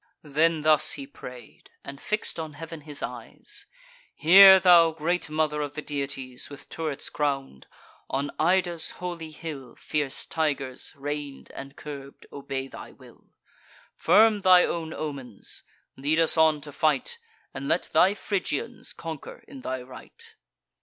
Then thus he pray'd, and fix'd on heav'n his eyes: "Hear thou, great Mother of the deities. With turrets crown'd! (on Ida's holy hill Fierce tigers, rein'd and curb'd, obey thy will.) Firm thy own omens; lead us on to fight; And let thy Phrygians conquer in thy right."